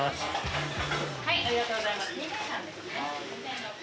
ありがとうございます。